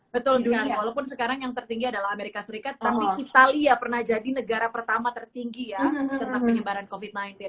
betul sekali walaupun sekarang yang tertinggi adalah amerika serikat tapi italia pernah jadi negara pertama tertinggi ya tentang penyebaran covid sembilan belas